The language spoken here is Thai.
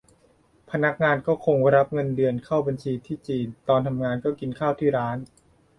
พนักงานก็คงรับเงินเดือนเข้าบัญชีที่จีน ตอนทำงานก็กินข้าวที่ร้าน